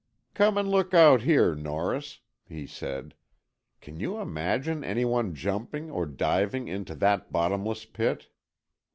"Come and look out here, Norris," he said. "Can you imagine any one jumping or diving into that bottomless pit?"